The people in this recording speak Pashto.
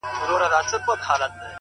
o بیرته چي یې راوړې، هغه بل وي زما نه .